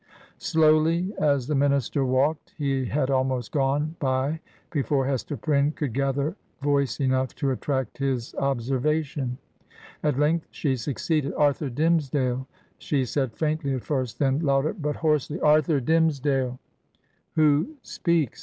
"Slowly as the minister walked, he had almost gone by before Hester Prynne could gather voice enough to attract his observation. At length, she succeeded. 'Arthur Dimmesdale T she said, faintly at first; then louder, but hoarsely, 'Arthur Dimmesdale I' 'Who speaks?'